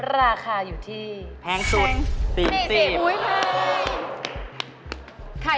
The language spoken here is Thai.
ราคาอยู่ที่แพงสุด๔๐บาท